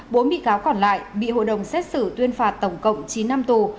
bốn bị cáo còn lại bị hội đồng xét xử tuyên phạt tổng cộng chín năm tù